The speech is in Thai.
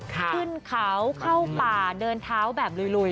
ขึ้นเขาเข้าป่าเดินเท้าแบบลุย